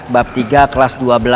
bab tiga kelas dua belas